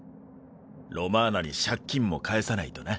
ロマーナに借金も返さないとな。